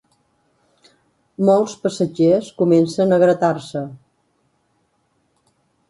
Molts passatgers comencen a gratar-se.